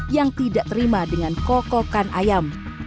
yang tidak terima dengan kokokan ayam